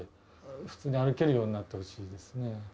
普通に歩けるようになってほしいですね。